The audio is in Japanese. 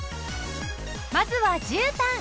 まずはじゅうたん。